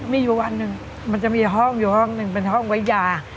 มีอยู่วันหนึ่งมันจะมีห้องอยู่ห้องหนึ่งเป็นห้องไว้ยา